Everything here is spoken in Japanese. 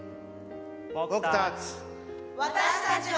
「僕たち」。